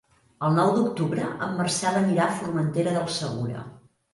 El nou d'octubre en Marcel anirà a Formentera del Segura.